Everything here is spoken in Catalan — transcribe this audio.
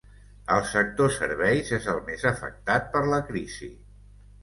El sector serveis és el més afectat per la crisi.